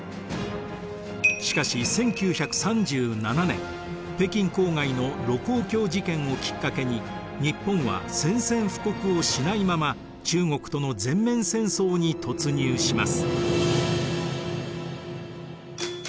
しかし１９３７年北京郊外の盧溝橋事件をきっかけに日本は宣戦布告をしないまま中国との全面戦争に突入します。